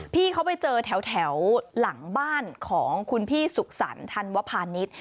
พี่เขาไปเจอแถวหลังบ้านของคุณพี่สุขสรรค์ธันวพาณิชย์